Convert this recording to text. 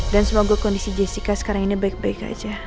dan semoga kondisi jessica sekarang ini baik baik aja